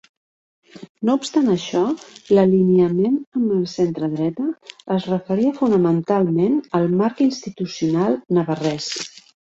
No obstant això, l'alineament amb el centredreta es referia fonamentalment al marc institucional navarrès.